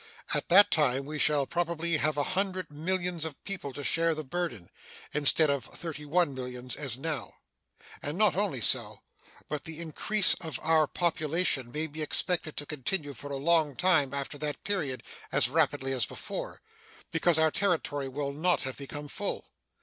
At that time we shall probably have a hundred millions of people to share the burden, instead of thirty one millions as now. And not only so, but the increase of our population may be expected to continue for a long time after that period as rapidly as before, because our territory will not have become full.